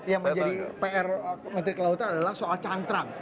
yang menjadi pr menteri kelautan adalah soal cantrang